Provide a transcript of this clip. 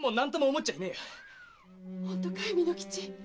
本当かい巳之吉？